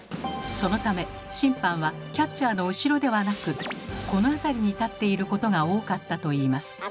そのため審判はキャッチャーの後ろではなくこの辺りに立っていることが多かったといいます。